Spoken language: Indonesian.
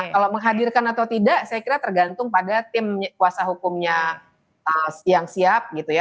kalau menghadirkan atau tidak saya kira tergantung pada tim kuasa hukumnya yang siap gitu ya